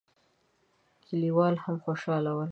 کليوال هم خوشاله ول.